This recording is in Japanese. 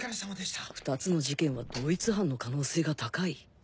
２つの事件は同一犯の可能性が高い